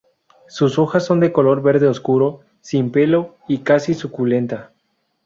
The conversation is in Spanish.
Sus hojas son de color verde oscuro, sin pelo y casi suculenta.